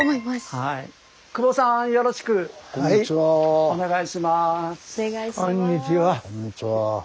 はい。